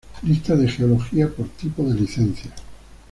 Listas de genealogía por tipo de licencia